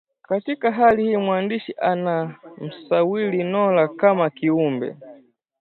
Katika hali hii mwandishi anamsawiri Nora kama kiumbe